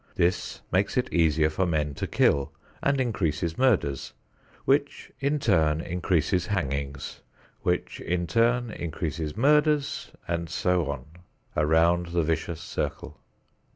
This makes it easier for men to kill and increases murders, which in turn increase hangings, which in turn increase murders, and so on, around the vicious circle.